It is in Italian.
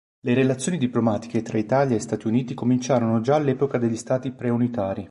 Le relazioni diplomatiche tra Italia e Stati Uniti cominciarono già all'epoca degli Stati pre-unitari.